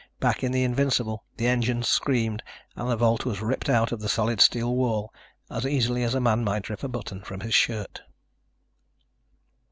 Back in the Invincible the engines screamed and the vault was ripped out of the solid steel wall as easily as a man might rip a button from his shirt.